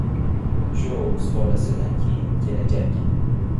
Chjou sulolasidan keyin kelajak